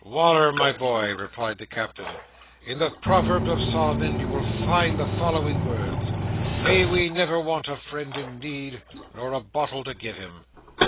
"Wal"r, my boy," replied the Captain, "in the Proverbs of Solomon you will find the following words, 'May we never want a friend in need, nor a bottle to give him!